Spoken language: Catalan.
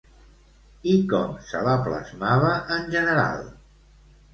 I com se la plasmava en general?